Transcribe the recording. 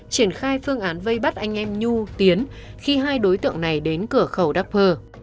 triển khai phương án vây bắt anh em nhu tiến khi hai đối tượng này đến cửa khẩu đắk